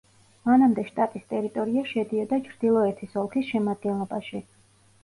მანამდე შტატის ტერიტორია შედიოდა ჩრდილოეთის ოლქის შემადგენლობაში.